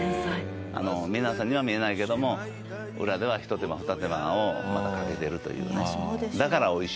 皆さんには見えないけども裏ではひと手間ふた手間をまたかけてるというね。